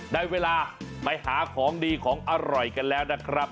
ได้เวลาไปหาของดีของอร่อยกันแล้วนะครับ